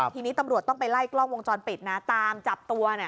ทีนี้ตำรวจต้องไปไล่กล้องวงจรปิดนะตามจับตัว